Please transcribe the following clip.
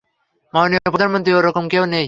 মাননীয় প্রধানমন্ত্রী, ওরকম কেউ নেই।